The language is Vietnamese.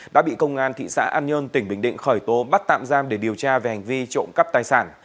đã bị công an thị xã an nhơn tỉnh bình định khởi tố bắt tạm giam để điều tra về hành vi trộm cắp tài sản